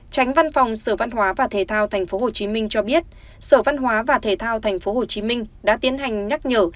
tránh văn phòng sở văn hóa và thể thao tp hcm cho biết sở văn hóa và thể thao tp hcm đã tiến hành nhắc nhở